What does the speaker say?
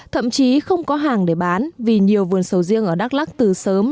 thậm chí không có hàng để bán vì nhiều vườn sầu riêng ở đắk lắc từ sớm